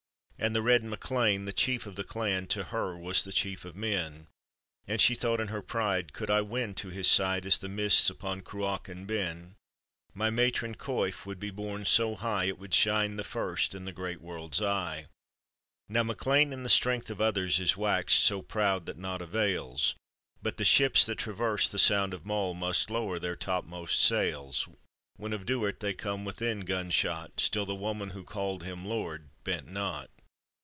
And the red MacLean, the chief of the clan, To her was the chief of men, And she thought in her pride, "Could to his side, As the misU upon Cruachan ben, Mv matron coif would be borne so high It would shine the first in the great wor Now MacLean in the strength of other* U waxed So proud that nought avails. 446 APPENDIX. But the ships that traverse the Sound of Mull Must lower their topmost sails, When of Duard they come within gun shot — Still the woman who called him lord, bent not.